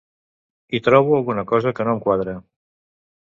Hi trobo alguna cosa que no em quadra.